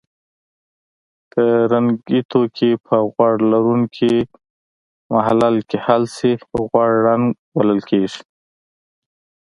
که رنګي توکي په غوړ لرونکي محلل کې حل شي غوړ رنګ بلل کیږي.